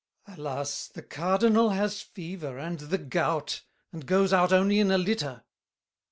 GASSÉ. Alas! the Cardinal has fever and The gout, and goes out only in a litter.